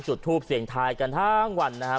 จุดทูปเสียงทายกันทั้งวันนะครับ